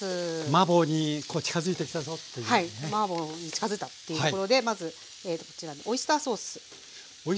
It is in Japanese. マーボーに近づいたというところでまずこちらにオイスターソース。